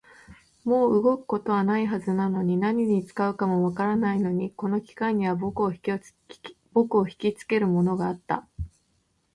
もう動くことはないはずなのに、何に使うかもわからないのに、この機械には僕をひきつけるものがあった